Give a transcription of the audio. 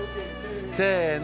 せの！